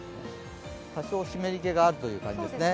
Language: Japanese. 多少、湿りけがという感じですね。